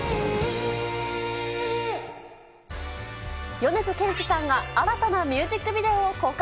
米津玄師さんが、新たなミュージックビデオを公開。